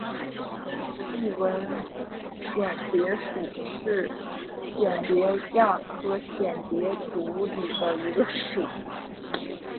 细纹蚬蝶属是蚬蝶亚科蚬蝶族里的一个属。